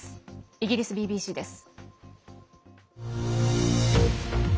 イギリスＢＢＣです。